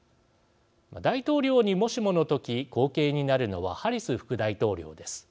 大統領にもしもの時後継になるのはハリス副大統領です。